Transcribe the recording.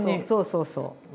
そうそうそう。